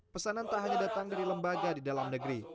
pesanan tak hanya datang dari lembaga di dalam negeri